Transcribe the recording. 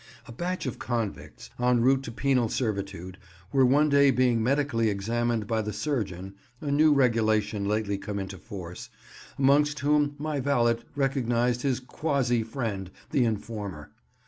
A batch of convicts, en route to penal servitude, were one day being medically examined by the surgeon (a new regulation lately come into force), amongst whom my valet recognised his quasi friend, the informer.